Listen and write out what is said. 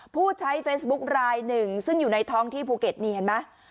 ผู้ใช้เฟซบุ๊คลายหนึ่งซึ่งอยู่ในท้องที่ภูเก็ตนี่เห็นไหม